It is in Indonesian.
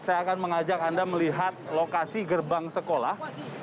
saya akan mengajak anda melihat lokasi gerbang sekolah